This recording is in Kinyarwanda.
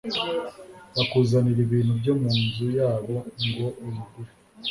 bakuzanira ibintu byo mu nzu yabo ngo ubigure